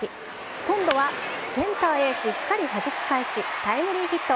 今度はセンターへしっかりはじき返し、タイムリーヒット。